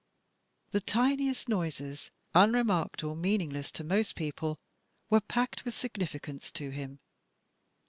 The tiniest noises, unremarked or meaningless to most people, were packed with significance to him.